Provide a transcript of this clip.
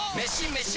メシ！